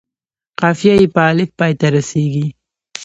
قافیه یې په الف پای ته رسيږي.